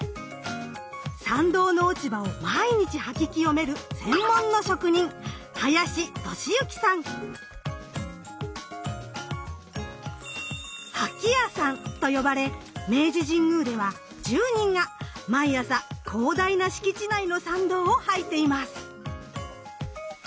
参道の落ち葉を毎日掃き清める専門の職人「掃き屋さん」と呼ばれ明治神宮では１０人が毎朝広大な敷地内の参道を掃いています。